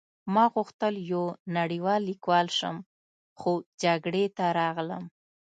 ما غوښتل یو نړۍوال لیکوال شم خو جګړې ته راغلم